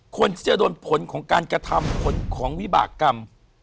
คนที่จะโดนผลของการกระทำผลของวิบากรรม